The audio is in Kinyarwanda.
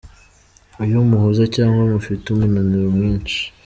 Iyo muhuze cyangwa mufite umunaniro mwinshi.